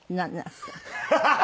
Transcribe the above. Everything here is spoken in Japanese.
ハハハハ！